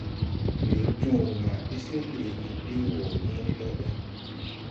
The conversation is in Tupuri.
Weer jõõre ma ɓi sir leege ɗee wɔ hẽẽne dɔɔ ɓɛ.